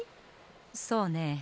そうねえ。